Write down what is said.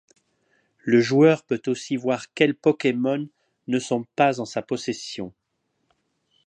Le joueur peut aussi voir quels Pokémon ne sont pas en sa possession.